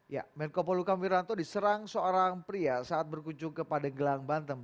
ya menko poluka wiranto diserang seorang pria saat berkunjung ke padenggelang banteng